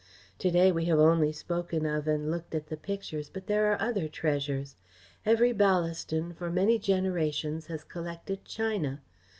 To day we have only spoken of and looked at the pictures, but there are other treasures. Every Ballaston for many generations has collected china.